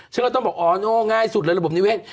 ฉันก็ต้องบอกโอ้โน่ง่ายสุดระบบนิเวศ